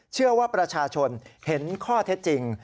เชื่อว่าประชาชนเห็นข้อเท็จจริง